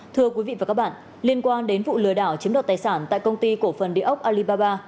thưa quý vị và các bạn liên quan đến vụ lừa đảo chiếm đoạt tài sản tại công ty cổ phần địa ốc alibaba